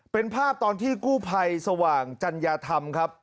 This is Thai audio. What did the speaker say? เป็นภาพตอนที่กู้ภัยสว่างจัญญาธรรมครับ